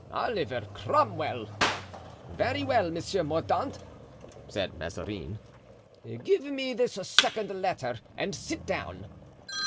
"Oliver Cromwell." "Very well, Monsieur Mordaunt," said Mazarin, "give me this second letter and sit down."